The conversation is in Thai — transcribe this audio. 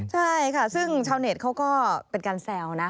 ใช่ค่ะซึ่งชาวเน็ตเขาก็เป็นการแซวนะ